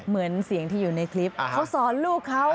เหมือนเสียงที่อยู่ในคลิปเขาสอนลูกเขา